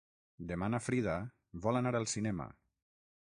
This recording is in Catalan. Demà na Frida vol anar al cinema.